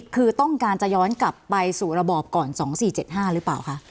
คือต้องการจะย้อนกลับไปสู่ระบอบก่อน๒๔๗๕หรือเปล่าคะ